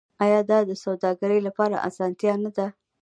آیا دا د سوداګرۍ لپاره اسانتیا نه ده؟